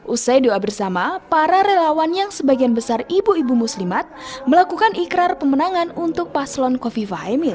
usai doa bersama para relawan yang sebagian besar ibu ibu muslimat melakukan ikrar pemenangan untuk paslon kofifa emil